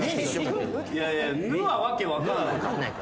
いやいや「ぬ」は訳分かんない。